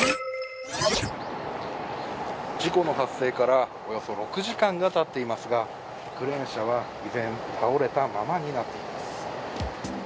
事故の発生からおよそ６時間がたっていますが、クレーン車は依然倒れたままになっています。